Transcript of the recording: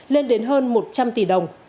lên đến hơn một trăm linh tỷ đồng